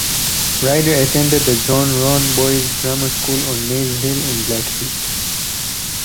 Rider attended the John Roan Boys' Grammar School on Maze Hill in Blackheath.